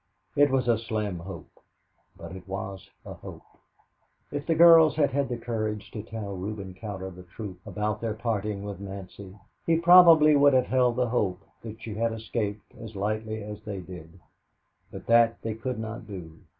It was a slim hope but it was a hope. If the girls had had the courage to tell Reuben Cowder the truth about their parting with Nancy, he probably would have held the hope that she had escaped as lightly as they did; but that they could not do.